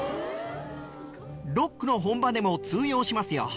ロックの本場でも通用しますよ。